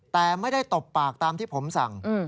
แต่ไม่ได้ตบปากตามที่ผมสั่ง